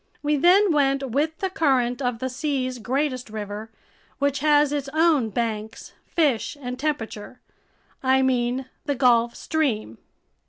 We then went with the current of the sea's greatest river, which has its own banks, fish, and temperature. I mean the Gulf Stream.